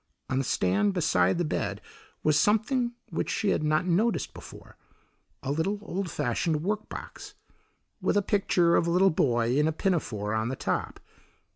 On the stand beside the bed was something which she had not noticed before: a little old fashioned work box with a picture of a little boy in a pinafore on the top.